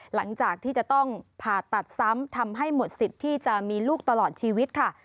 หลังจากที่จะต้องผ่าตัดซ้ำทำให้หมดสิทธิ์ที่จะมีลูกตลอดชีวิตค่ะ